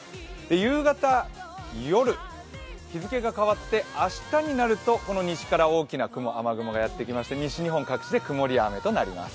夕方、夜、日付が変わって明日になると西から大きな雨雲がやってきて西日本各地で曇りや雨となります。